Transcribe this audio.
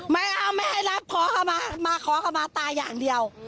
ไม่เอาไม่ให้รับขอเข้ามาขอเข้ามาตายอย่างเดียว